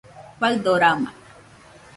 Faɨdorama